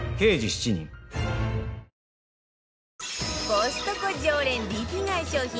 コストコ常連リピ買い商品